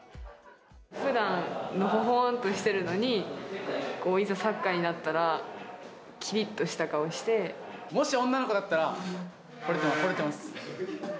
ふだん、のほほんとしてるのに、いざサッカーになったら、もし女の子だったら、ほれてます。